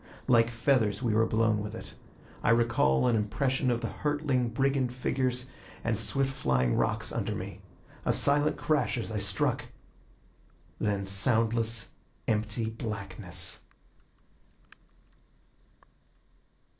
Like feathers we were blown with it. I recall an impression of the hurtling brigand figures and swift flying rocks under me. A silent crash as I struck. Then soundless, empty blackness.